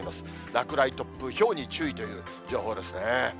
落雷、突風、ひょうに注意という情報ですね。